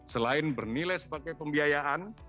selain bernilai sebagai pembiayaan